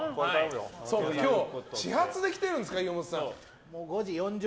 今日、始発で来てるんですか岩本さん。